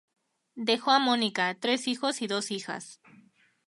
Dejó a Monika, tres hijos y dos hijas.